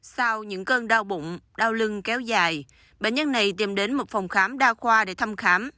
sau những cơn đau bụng đau lưng kéo dài bệnh nhân này tìm đến một phòng khám đa khoa để thăm khám